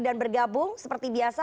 dan bergabung seperti biasa